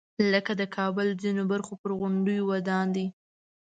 لکه د کابل ځینو برخو پر غونډیو ودان دی.